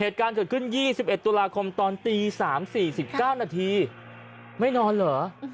เหตุการณ์เกิดขึ้นยี่สิบเอ็ดตุลาคมตอนตีสามสี่สิบเก้านาทีค่ะไม่นอนเหรออืม